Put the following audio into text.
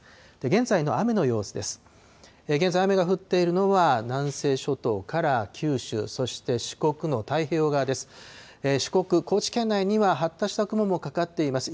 現在、雨が降っているのは、南西諸島から九州、そして四国の太平洋側です。